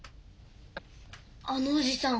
あのおじさん